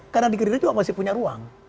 karena di gerindra juga masih punya ruang